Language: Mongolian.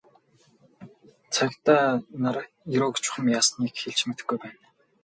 Цагдаа нар Ерөөг чухам яасныг хэлж мэдэхгүй байна.